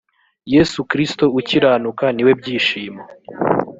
yesu kristo ukiranuka niwe byishimo.